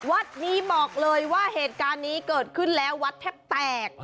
วัดนี้บอกเลยว่าเหตุการณ์นี้เกิดขึ้นแล้ววัดแทบแตก